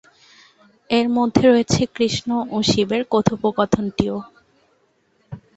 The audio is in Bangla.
এর মধ্যে রয়েছে কৃষ্ণ ও শিবের কথোপকথনটিও।